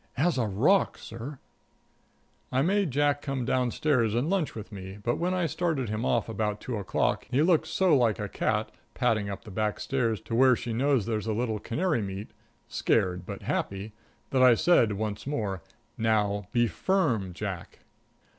"As a rock, sir." I made Jack come downtown and lunch with me, but when I started him off, about two o'clock, he looked so like a cat padding up the back stairs to where she knows there's a little canary meat scared, but happy that I said once more: "Now be firm, Jack."